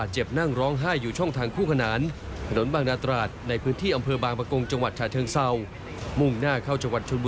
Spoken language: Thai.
ส่วนผมสวัสดีครับ